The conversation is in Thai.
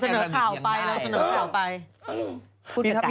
เราเสนอข่าวไป